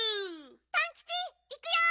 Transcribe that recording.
・パンキチいくよ！